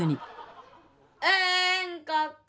うんこっこ